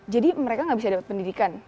jadi mereka nggak bisa dapat pendidikan